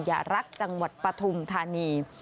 อย่ารักจังหวัดปฐุมธานี